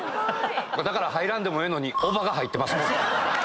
だから入らんでもええのにおばが入ってますもん。